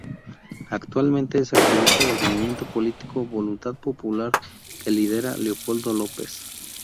Actualmente es activista del movimiento político Voluntad Popular que lidera Leopoldo López.